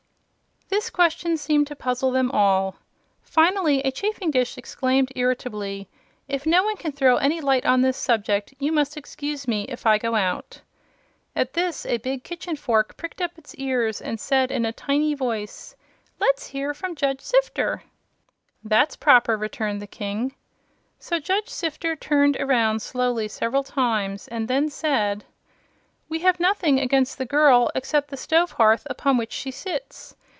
This question seemed to puzzle them all. Finally, a chafingdish, exclaimed irritably: "If no one can throw any light on this subject you must excuse me if I go out." At this, a big kitchen fork pricked up its ears and said in a tiny voice: "Let's hear from Judge Sifter." "That's proper," returned the King. So Judge Sifter turned around slowly several times and then said: "We have nothing against the girl except the stove hearth upon which she sits.